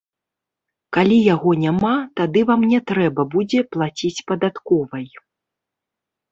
Калі яго няма, тады вам не трэба будзе плаціць падатковай.